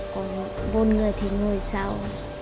còn bốn người thì ngồi sau